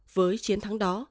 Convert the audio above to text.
với chiến thắng đó